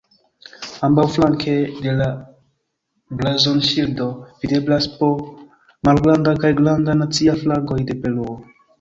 Ambaŭflanke de la blazonŝildo videblas po malgranda kaj granda nacia flagoj de Peruo.